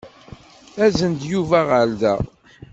Azen-d Yuba ɣer da.